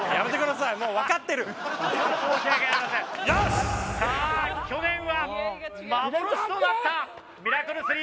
さあ去年は幻となったミラクル３。